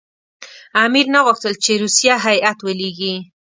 امیر نه غوښتل چې روسیه هېئت ولېږي.